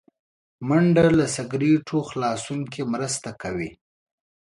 منډه له سګرټو خلاصون کې مرسته کوي